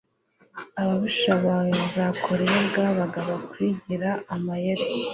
ababisha bawe bazakora iyo bwabaga bakwigira amayeri